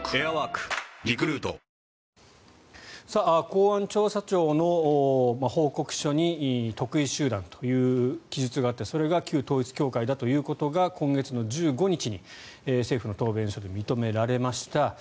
公安調査庁の報告書に特異集団という記述があってそれが旧統一教会だということが今月１５日に政府の答弁書で認められました。